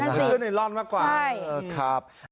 เชือกในร่อนมากกว่า